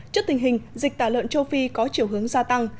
trước tình hình dịch tả lợn châu phi có chiều hướng gia tăng